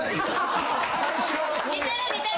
似てる似てる！